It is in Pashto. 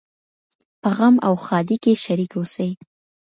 په غم او ښادۍ کي شريک اوسئ.